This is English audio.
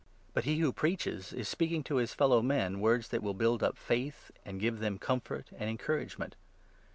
But he who preaches is speaking to his fellow men 3 words that will build up faith, and give them comfort and encouragement.